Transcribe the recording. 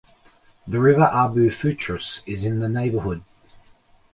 The river Abu Futrus is in the neighbourhood.